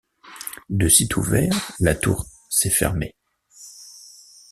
Le site ouvert, la tour s'est fermée.